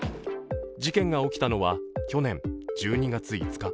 事件が起きたのは去年１２月５日。